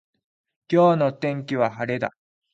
今日の天気は晴れだ。